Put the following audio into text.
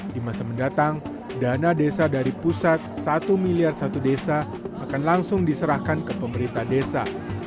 di masa mendatang dana desa dari pusat satu miliar satu desa akan langsung diserahkan ke pemerintah desa